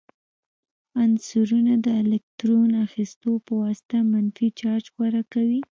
عنصرونه د الکترون اخیستلو په واسطه منفي چارج غوره کوي.